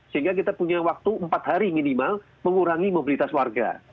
sehingga kita punya waktu empat hari minimal mengurangi mobilitas warga